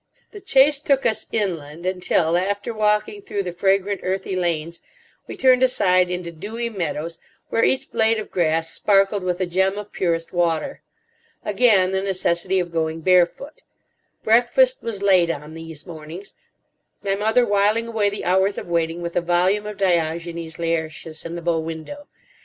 The chase took us inland, until, after walking through the fragrant, earthy lanes, we turned aside into dewy meadows, where each blade of grass sparkled with a gem of purest water. Again the necessity of going barefoot. Breakfast was late on these mornings, my mother whiling away the hours of waiting with a volume of Diogenes Laertius in the bow window.